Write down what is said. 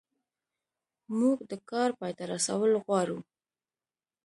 موږ د کار پای ته رسول غواړو.